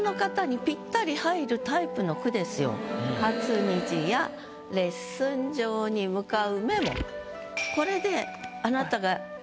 あの「初虹やレッスン場に向かうメモ」。